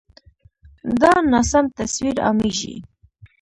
دا ناسم تصویر عامېږي.